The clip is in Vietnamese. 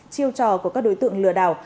chiêu trò của các đối tượng lừa đảo